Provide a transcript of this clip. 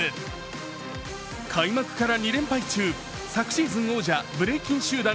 開幕から２連敗中、昨シーズン王者、ブレイキン集団・ＫＯＳＥ８